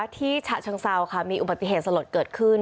ฉะเชิงเซาค่ะมีอุบัติเหตุสลดเกิดขึ้น